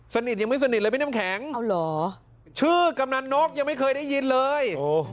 ยังไม่สนิทเลยพี่น้ำแข็งชื่อกำนันนกยังไม่เคยได้ยินเลย